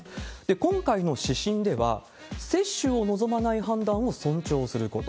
今回の指針では、接種を望まない判断を尊重すること。